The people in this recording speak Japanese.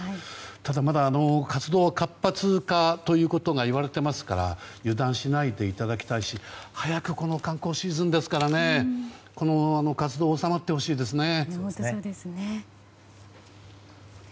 ただ、まだ活動活発化ということが言われていますから油断しないでいただきたいし観光シーズンですから、早くこの活動収まってほしいですね。